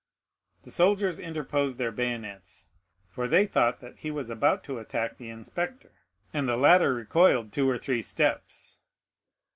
The soldiers interposed their bayonets, for they thought that he was about to attack the inspector, and the latter recoiled two or three steps.